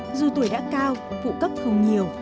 người đã cao phụ cấp không nhiều